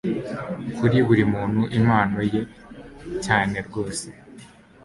Kuri buri muntu impano ye cyane rwose